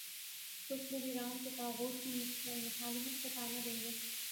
کچھ لوگ ایران کو طاغوت سے مصالحت کا طعنہ دیں گے۔